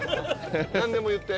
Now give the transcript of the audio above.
何でも言って。